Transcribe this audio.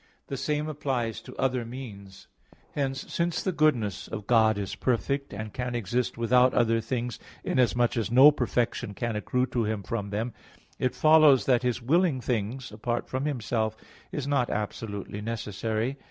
The same applies to other means. Hence, since the goodness of God is perfect, and can exist without other things inasmuch as no perfection can accrue to Him from them, it follows that His willing things apart from Himself is not absolutely necessary.